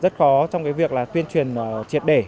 rất khó trong việc tuyên truyền triệt để